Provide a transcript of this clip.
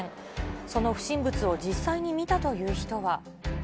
その不審物を実際に見たという人は。